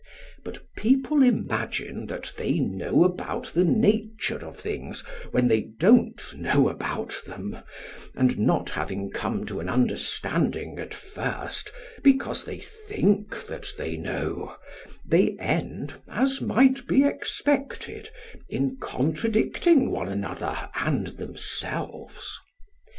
But people imagine that they know about the nature of things, when they don't know about them, and, not having come to an understanding at first because they think that they know, they end, as might be expected, in contradicting one another and themselves.